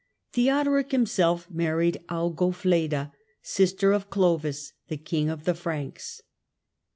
heodoric himself married Augofleda, sister of Clovis, te king of the Franks.